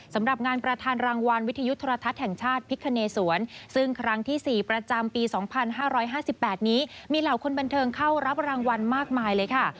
สำหรับงานประธานรางวัลวิทยุทรทัศน์แห่งชาติพิคเนสวนซึ่งครั้งที่๔ประจำปี๒๕๕๘นี้มีเหล่าคนบันเทิงเข้ารับรางวัลมากมายเลยค่ะ